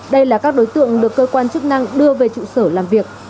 đây là các đối tượng được cơ quan chức năng đưa về trụ sở làm việc